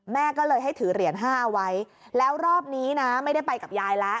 แม่ก็เลยให้ถือเหรียญห้าไว้แล้วรอบนี้นะไม่ได้ไปกับยายแล้ว